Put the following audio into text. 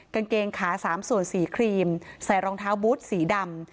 กางเกงขา๓ส่วน๔ครีมใส่รองเท้าบุ๊ชสีดำ